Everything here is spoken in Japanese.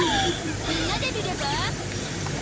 みんなで見れば？